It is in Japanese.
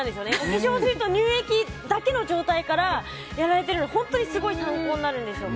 化粧水と乳液だけの状態からやられているので本当にすごい参考になるんですよ。